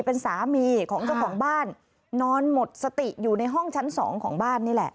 เป็นสามีของเจ้าของบ้านนอนหมดสติอยู่ในห้องชั้นสองของบ้านนี่แหละ